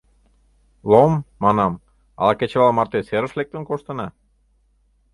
— Лом, — манам, — ала кечывал марте серыш лектын коштына?